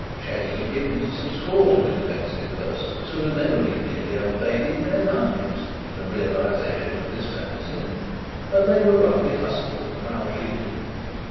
Chase was given to some scores of inoffensive persons who had never been near the Old Bailey in their lives, in the realisation of this fancy, and they were roughly hustled and maltreated.